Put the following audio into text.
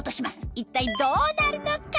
一体どうなるのか？